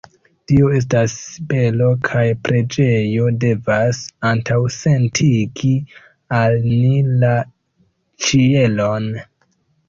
Dio estas belo kaj preĝejo devas antaŭsentigi al ni la ĉielon.